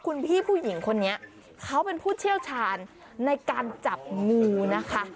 คุณพี่ผู้หญิงคนนี้เขาเป็นผู้เชี่ยวชาญในการจับงูนะคะ